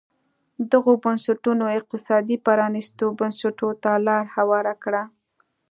دغو بنسټونو اقتصادي پرانیستو بنسټونو ته لار هواره کړه.